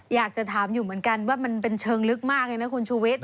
อยากจะถามอยู่เหมือนกันว่ามันเป็นเชิงลึกมากเลยนะคุณชูวิทย